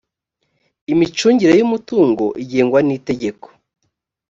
imicungire y’ umutungo igengwa nitegeko